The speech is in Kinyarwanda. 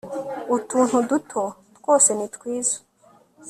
utuntu duto twose ni twiza